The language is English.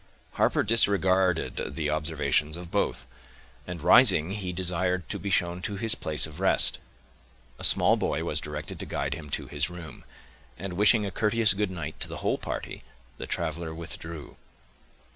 Harper disregarded the observations of both; and, rising, he desired to be shown to his place of rest. A small boy was directed to guide him to his room; and wishing a courteous good night to the whole party, the traveler withdrew.